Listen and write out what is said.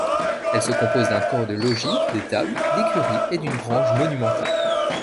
Elle se compose d'un corps de logis, d'étables, d'écuries et d'une grange monumentale.